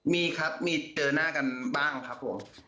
มีครับมีเจอหน้ากันบ้างครับผม